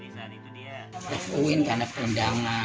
kita puin karena perundangan